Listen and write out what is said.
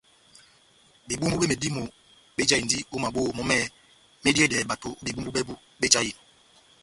Bebumbu be medímo bejahindi o maboho mɔ mɛhɛpi mediyedɛhɛ bato o bebumbu bɛbu bejahinɔ.